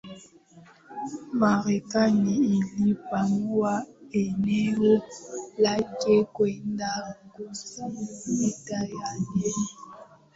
Marekani ilipanua eneo lake kwenda kusini Vita ya wenyewe